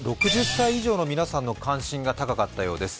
６０歳以上の皆さんの関心が高かったようです。